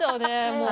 もう。